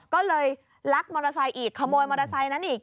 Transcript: ก็เลยลักมอเตอร์ไซค์อีกขโมยมอเตอร์ไซค์นั้นอีก